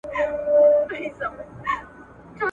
تشه له سرو میو شنه پیاله به وي !.